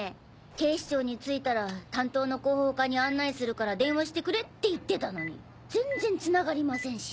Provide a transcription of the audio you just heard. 警視庁に着いたら担当の広報課に案内するから電話してくれって言ってたのに全然つながりませんし。